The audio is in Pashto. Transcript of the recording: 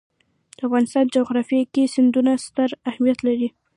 د افغانستان جغرافیه کې سیندونه ستر اهمیت لري.